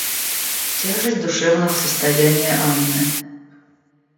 Тяжесть душевного состояния Анны.